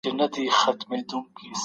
تر خپل وس بار پورته کړئ.